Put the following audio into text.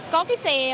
có cái xe